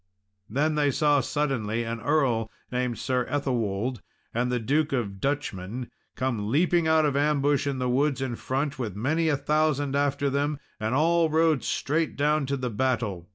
Then they saw suddenly an earl named Sir Ethelwold, and the Duke of Duchmen come leaping out of ambush of the woods in front, with many a thousand after them, and all rode straight down to the battle.